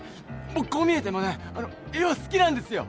僕こう見えてもねあの絵は好きなんですよ。